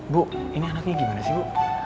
bu ini anaknya gimana sih bu